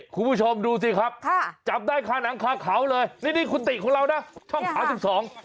คุณตีครับจับได้ค่าหนังค่าเขาเลยนี่คุณตีของเรานะช่องขาวสิบสอง